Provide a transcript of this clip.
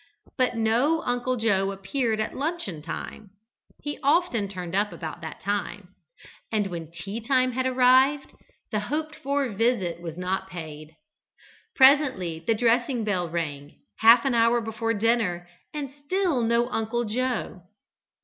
But no Uncle Joe appeared at luncheon time (he often turned up about that time) and when tea time had arrived, the hoped for visit was not paid. Presently the dressing bell rang, half an hour before dinner, and still no Uncle Joe.